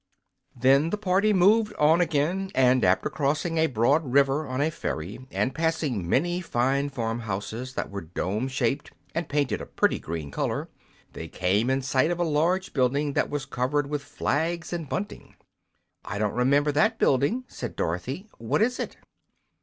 Then the party moved on again, and after crossing a broad river on a ferry and passing many fine farm houses that were dome shaped and painted a pretty green color, they came in sight of a large building that was covered with flags and bunting. "I don't remember that building," said Dorothy. "What is it?"